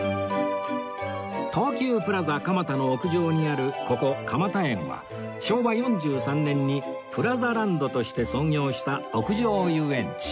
東急プラザ蒲田の屋上にあるここかまたえんは昭和４３年にプラザランドとして創業した屋上遊園地